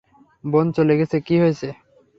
বোন চলে গেছে কী হয়েছে?